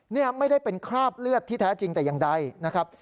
นี่ไม่ได้เป็นคราบเลือดที่แท้จริงแต่อย่างใดนะครับ